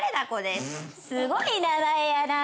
すごい名前やなぁ。